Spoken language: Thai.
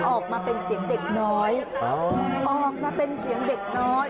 ออกมาเป็นเสียงเด็กน้อยออกมาเป็นเสียงเด็กน้อย